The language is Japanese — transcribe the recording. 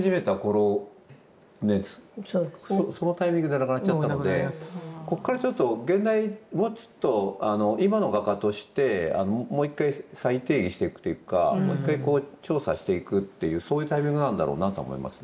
そのタイミングで亡くなっちゃったのでこっからちょっと現代もうちょっと今の画家としてもう一回再定義していくというかもう一回調査していくっていうそういうタイミングなんだろうなとは思いますね。